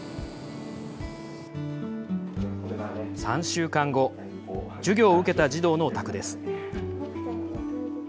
３週間後、授業を受けた児童のお宅です。